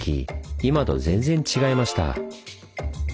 今と全然違いました。